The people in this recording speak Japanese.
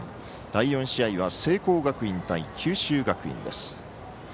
第４試合に聖光学院対九州学院。